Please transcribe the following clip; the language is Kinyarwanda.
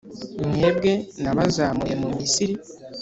mwebwe nabazamuye mu Misiri,